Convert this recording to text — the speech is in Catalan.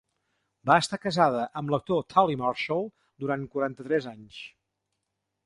Va estar casada amb l'actor Tully Marshall durant quaranta-tres anys.